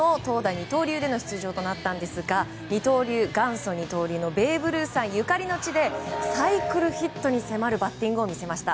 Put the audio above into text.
二刀流での出場となったんですが元祖二刀流のベーブ・ルースさんゆかりの地でサイクルヒットに迫るバッティングを見せました。